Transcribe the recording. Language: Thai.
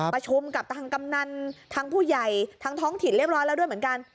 ประชุมกับทางกำนันทางผู้ใหญ่ทางท้องถิ่นเรียบร้อยแล้วด้วยเหมือนกัน